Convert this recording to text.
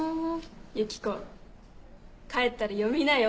ユキコ帰ったら読みなよ